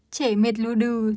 trẻ mệt lưu đừ